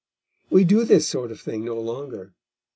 We do this sort of thing no longer.